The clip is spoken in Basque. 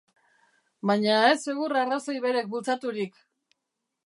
Baina ez segur arrazoi berek bultzaturik!